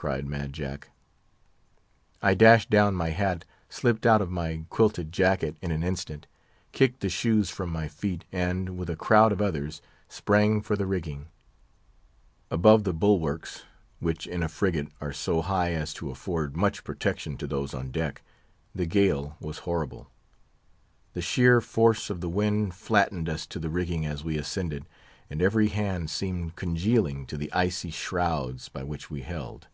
cried Mad Jack. I dashed down my hat, slipped out of my quilted jacket in an instant, kicked the shoes from my feet, and, with a crowd of others, sprang for the rigging. Above the bulwarks (which in a frigate are so high as to afford much protection to those on deck) the gale was horrible. The sheer force of the wind flattened us to the rigging as we ascended, and every hand seemed congealing to the icy shrouds by which we held.